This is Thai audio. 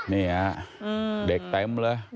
นี่ฮะเด็กเต็มเลย